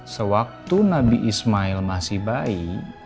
sewaktu nabi ismail masih bayi